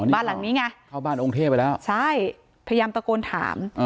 พยายามตะโกนถาม